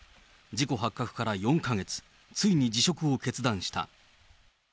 事故発覚から４か月、ついに辞職を決断した。